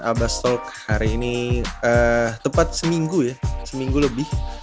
abastalk hari ini tepat seminggu ya seminggu lebih